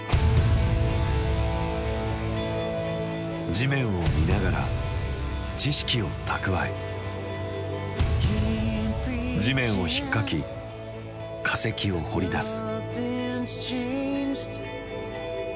地面を見ながら知識を蓄え地面をひっかき化石を掘り出す。